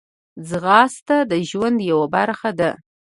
ځغاسته د ژوند یوه برخه ده